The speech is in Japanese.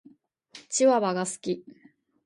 チワワが好き。